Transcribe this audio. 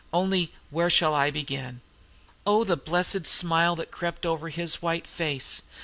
Only, where shall I begin?' "Oh, the blessed smile that crept over his white face!